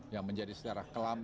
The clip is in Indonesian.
yang menjadi setara kelam